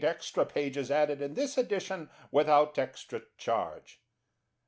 48 extra pages added in this Edition without extra charge.